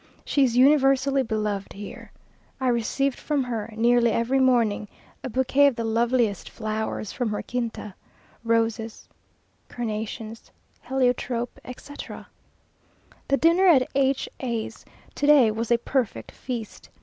She is universally beloved here. I received from her, nearly every morning, a bouquet of the loveliest flowers from her quinta roses, carnations, heliotrope, etc. The dinner at H a's to day was a perfect feast.